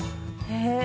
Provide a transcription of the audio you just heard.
へえ。